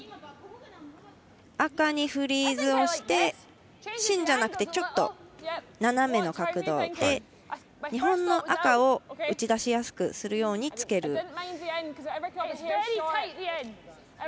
赤にフリーズをして芯じゃなくてちょっと斜めの角度で日本の赤を打ち出しやすくするようにつける。